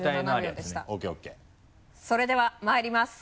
それではまいります。